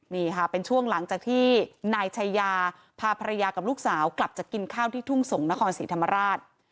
นี่ค่ะเป็นช่วงหลังจากที่นายชายาพาภรรยากับลูกสาวกลับจะกินข้าวที่ทุ่งส่งนครศรีธรรมราช